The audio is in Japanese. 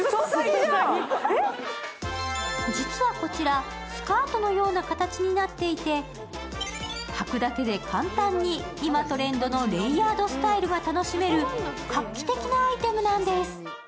実はこちら、スカートのような形になっていてはくだけで簡単に今トレンドのレイヤードスタイルが楽しめる画期的なアイテムなんです。